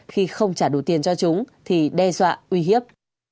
khi không trả đủ tiền cho chúng thì đe dọa uy hiếp